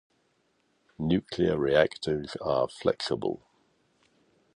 Nuclear reactors are flexible.